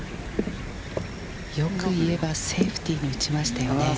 よく言えば、セーフティーに打ちましたよね。